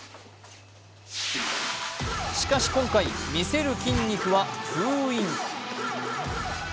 しかし今回、見せる筋肉は封印。